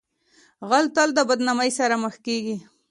غل تل د بدنامۍ سره مخ کیږي